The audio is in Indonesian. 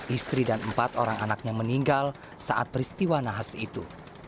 istri dan empat orang anaknya meninggal saat peristiwa nahas itu